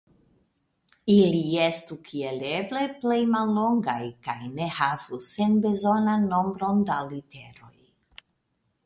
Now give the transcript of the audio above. Ili estu kiel eble plej mallongaj kaj ne havu senbezonan nombron da literoj.